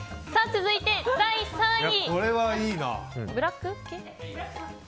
続いて第３位。